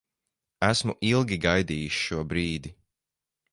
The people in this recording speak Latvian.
Esmu ilgi gaidījis šo brīdi.